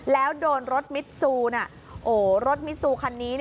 แล้วโดนรถมิตซูน่ะโอ้รถมิตซูคันนี้